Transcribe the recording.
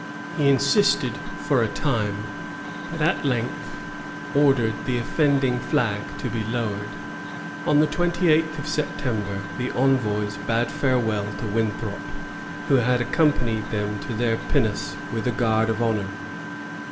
He insisted for a time, but at length ordered the offending flag to be lowered. On the twenty eighth of September the envoys bade ^ Winthrop, U. 274. 1647.] BEHAVIOR OF LA TOUB. 46 farewell to Winthrop, who had accompanied them to their pinnace with a guard of honor.